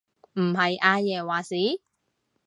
唔係阿爺話事？